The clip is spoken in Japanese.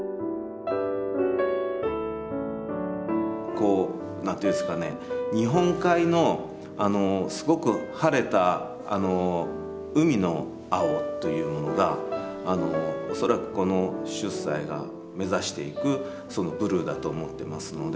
こう何て言うんですかね日本海のすごく晴れた海の青というものがおそらくこの出西が目指していくブルーだと思ってますので。